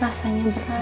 rasanya berat sekali pin